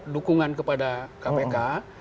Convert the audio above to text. dukungan kepada kpk